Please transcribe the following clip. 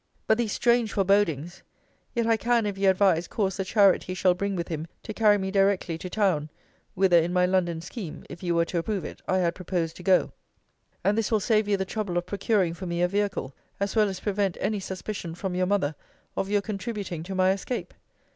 But these strange forebodings! Yet I can, if you advise, cause the chariot he shall bring with him, to carry me directly to town, whither in my London scheme, if you were to approve it, I had proposed to go: and this will save you the trouble of procuring for me a vehicle; as well as prevent any suspicion from your mother of your contributing to my escape.